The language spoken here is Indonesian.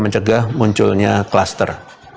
mencegah munculnya klaster